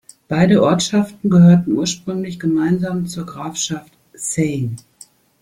Beide Ortschaften gehörten ursprünglich gemeinsam zur Grafschaft Sayn.